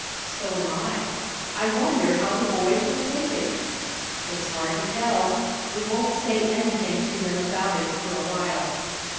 "So am I. I wonder how the boys will take it." "It's hard to tell. We won't say anything to them about it for a while."